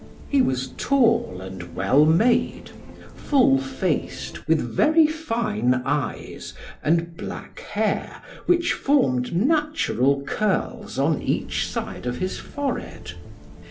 He was tall and well made; full faced, with very fine eyes, and black hair, which formed natural curls on each side of his forehead.